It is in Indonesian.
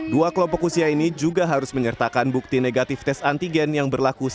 dua kelompok usia ini juga harus menyertakan bukti negatif tes antigen yang berlaku satu x dua puluh empat jam